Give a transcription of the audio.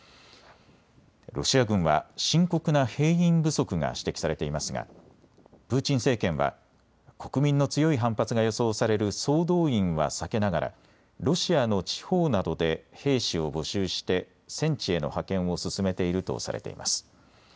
ロシア軍は深刻な兵員不足が指摘されていますがプーチン政権は国民の強い反発が予想される総動員は避けながらロシアの地方などで兵士を募集して戦地への派遣を進めているとされています。